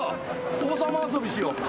王様遊びしよう。